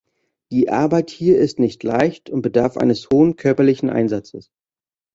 Die Arbeit hier ist nicht leicht und bedarf eines hohen körperlichen Einsatzes.